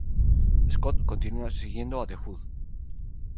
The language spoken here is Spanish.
Scott continúa siguiendo a The Hood.